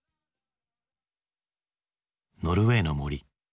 「ノルウェイの森」。